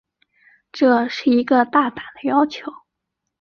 这是一个大胆的要求。